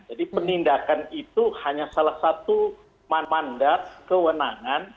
jadi penindakan itu hanya salah satu mandat kewenang